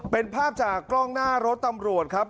เป็นภาพจากกล้องหน้ารถตำรวจครับ